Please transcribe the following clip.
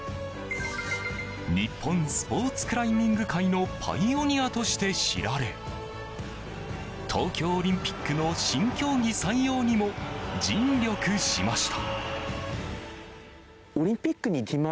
日本スポーツクライミング界のパイオニアとして知られ東京オリンピックの新競技採用にも尽力しました。